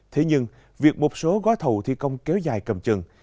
thế nhưng việc một số gói thầu thi công kéo dài cầm chừng